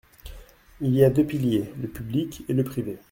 Il y a deux piliers, le public et le privé.